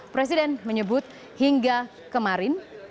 presiden menyebut hingga kemarin